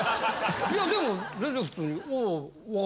いやでも全然普通に。